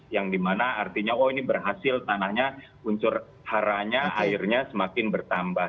yang dimana artinya oh ini berhasil tanahnya unsur haranya airnya semakin bertambah